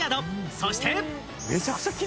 そして。